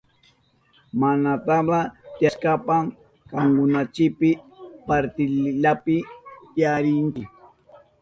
Mana tabla tiyashpan kanuwanchipi parintillapi tiyarinchi.